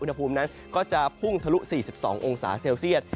อุณหภูมินั้นก็จะพุ่งทะลุ๔๒องศาเซลเซียต